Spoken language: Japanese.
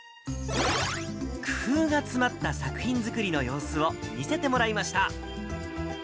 工夫が詰まった作品作りの様子を見せてもらいました。